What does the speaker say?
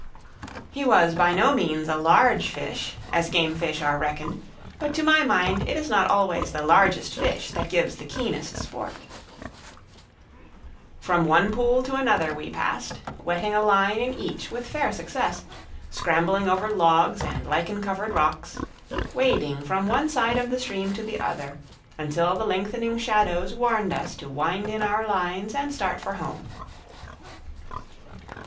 He was by no means a large fish, as game fish are reckoned, but to my mind it is not always the largest fish that gives the keenest sport. [Illustration: FISHING FOR BROOK TROUT] From one pool to another we passed, wetting a line in each with fair success, scrambling over logs and lichen covered rocks, wading from one side of the stream to the other, until the lengthening shadows warned us to wind in our lines and start for home.